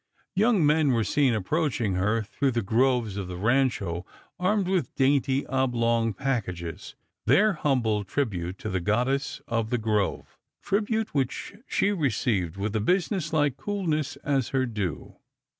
Young men were seen approaching her through the groves of the Rancho armed with dainty oblong packages, their humble tribute to the goddess of the grove, tribute which she i eceived with a business like coolness, as her due.